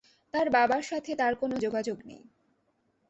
তার বাবার সাথে তার কোন যোগাযোগ নেই।